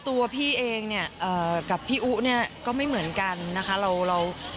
ตัวพี่เองกับพี่อู้ก็ไม่เหมือนกันนะคะ